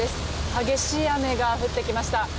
激しい雨が降ってきました。